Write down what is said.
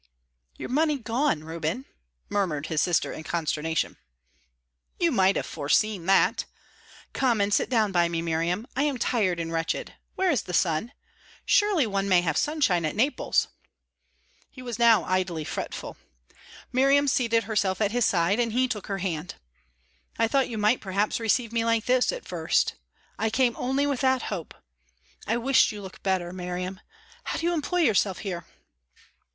"Your money gone, Reuben?" murmured his sister, in consternation. "You might have foreseen that. Come and sit down by me, Miriam. I am tired and wretched. Where is the sun? Surely one may have sunshine at Naples!" He was now idly fretful. Miriam seated herself at his side, and he took her hand. "I thought you might perhaps receive me like this at first. I came only with that hope. I wish you looked better, Miriam. How do you employ yourself here?"